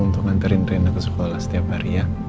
untuk nganterin rena ke sekolah setiap hari ya